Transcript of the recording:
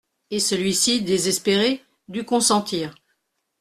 Et celui-ci, désespéré, dut consentir.